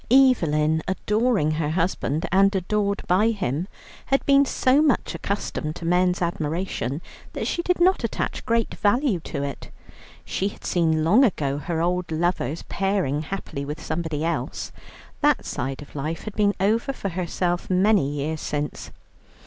Evelyn, adoring her husband and adored by him, had been so much accustomed to men's admiration that she did not attach great value to it. She had seen long ago her old lovers pairing happily with somebody else: that side of life had been over for herself many years since.